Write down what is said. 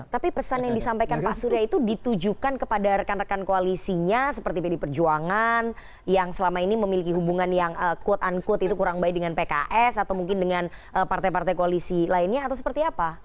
tapi pesan yang disampaikan pak surya itu ditujukan kepada rekan rekan koalisinya seperti pd perjuangan yang selama ini memiliki hubungan yang quote unquote itu kurang baik dengan pks atau mungkin dengan partai partai koalisi lainnya atau seperti apa